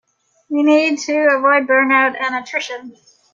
We need to avoid burnout and attrition.